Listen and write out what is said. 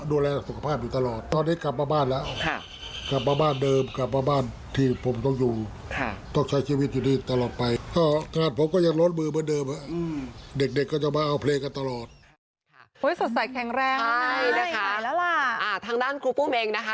สดใสแข็งแรงใช่นะคะทางด้านครูปุ้มเองนะคะ